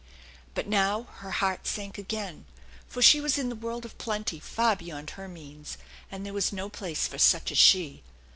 But now her heart sank again, for she was in the world of plenty far beyond her means, and there was no place for such as she.